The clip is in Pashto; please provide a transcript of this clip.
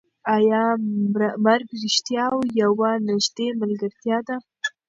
ایا مرګ رښتیا یوه نږدې ملګرتیا ده؟